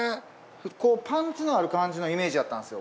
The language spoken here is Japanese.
パンチのある感じのイメージやったんですよ。